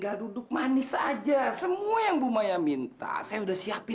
aku rela aku ngelepasin kamu tapi